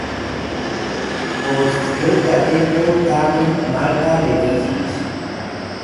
Post kelka tempo tamen Marta leviĝis.